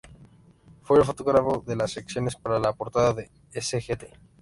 Fue el fotógrafo de las sesiones para la portada de "Sgt.